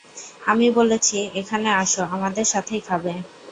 আমি বলেছি এখানে আসো আমাদের সাথেই খাবে।